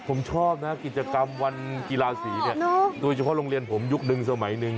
ผมชอบนะกิจกรรมวันกีฬาสีเนี่ยโดยเฉพาะโรงเรียนผมยุคนึงสมัยหนึ่ง